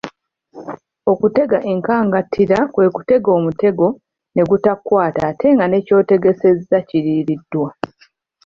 Okutega enkangantira kwe kutega omutego ne gutakwasa ng'ate ne ky'otegesezza kiriiriddwa.